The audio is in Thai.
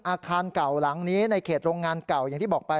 อาคารเก่าหลังนี้ในเขตโรงงานเก่าอย่างที่บอกไป